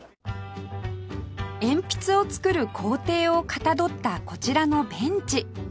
鉛筆を作る工程をかたどったこちらのベンチ